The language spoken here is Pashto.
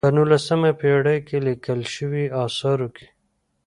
په نولسمه پېړۍ کې لیکل شویو آثارو کې.